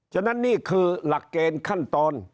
ฉะนั้นนี่คือหลักเกณฑ์ขั้นตอน